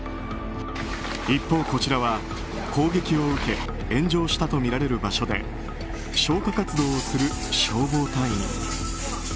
一方こちらは、攻撃を受け炎上したとみられる場所で消火活動をする消防隊員。